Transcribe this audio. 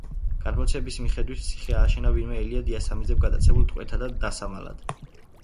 გადმოცემის მიხედვით ციხე ააშენა ვინმე ელია დიასამიძემ გატაცებულ ტყვეთა დასამალად.